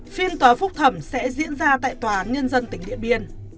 phiên tòa phúc thẩm sẽ diễn ra tại tòa án nhân dân tỉnh điện biên